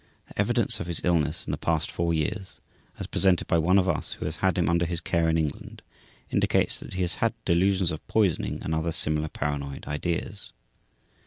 The evidence of his illness in the past four years, as presented by one of us who has had him under his care in England, indicates that he has had delusions of poisoning and other similar paranoid ideas.